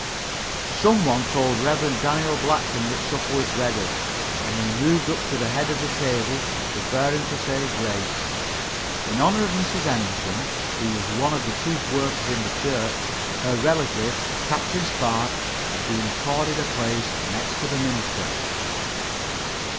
Some one told Rev. Daniel Blackton that supper was ready, and he moved up to the head of the table, prepared to say grace. In honor of Mrs. Henderson, who was one of the chief workers in the church, her relative, Captain Spark, had been accorded a place next to the minister.